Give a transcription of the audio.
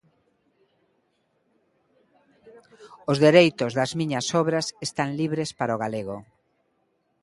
Os dereitos das miñas obras están libres para o galego.